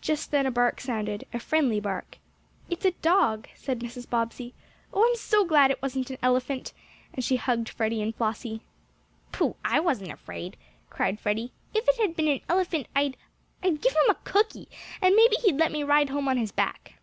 Just then a bark sounded a friendly bark. "It's a dog!" said Mrs. Bobbsey. "Oh, I'm so glad it wasn't an elephant," and she hugged Freddie and Flossie. "Pooh! I wasn't afraid!" cried Freddie. "If it had been an elephant I I'd give him a cookie, and maybe he'd let me ride home on his back."